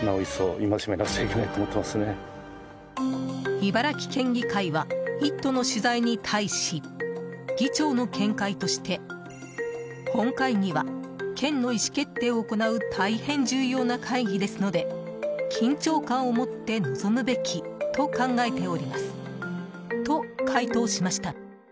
茨城県議会は「イット！」の取材に対し議長の見解として本会議は県の意思決定を行う大変重要な会議ですので緊張感を持って臨むべきと考えておりますと回答しました。